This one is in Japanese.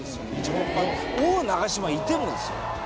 もう王長嶋いてもですよ。